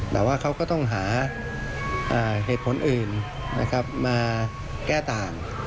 แต่ว่าเขาก็ต้องหาเหตุผลอื่นมาแก้ต่าง